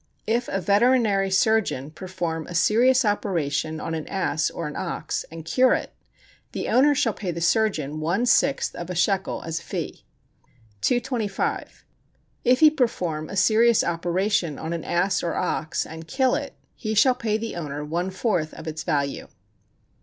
If a veterinary surgeon perform a serious operation on an ass or an ox, and cure it, the owner shall pay the surgeon one sixth of a shekel as fee. 225. If he perform, a serious operation on an ass or ox, and kill it, he shall pay the owner one fourth of its value.